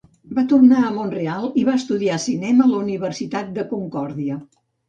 Va tornar a Mont-real i va estudiar cinema a la Universitat de Concordia.